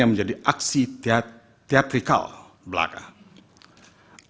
hanya menjadi aksi teat dan berkata kata yang tidak terkait dengan kekuasaan umum